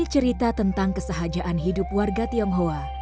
cerita tentang kesehajaan hidup warga tionghoa